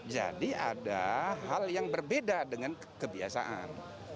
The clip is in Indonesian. ada hal yang berbeda dengan kebiasaan